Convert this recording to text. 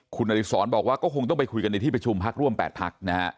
คุณอสบอกว่าก็คงต้องไปคุยกันในที่ประชุมพรปนะฮะ